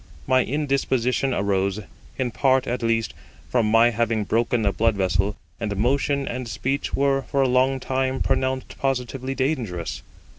My indisposition arose, in part at least, from my having broken a blood vessel; and motion and speech were for a long time pronounced positively dangerous.